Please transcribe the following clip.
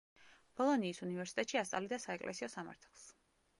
ბოლონიის უნივერსიტეტში ასწავლიდა საეკლესიო სამართალს.